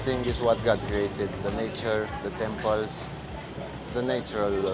yang terbaik adalah apa yang tuhan telah buat alam semesta tempel hal hal alam semesta yang bisa anda lihat di sini